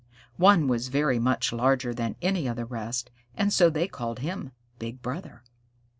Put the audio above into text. One was very much larger than any of the rest, and so they called him Big Brother.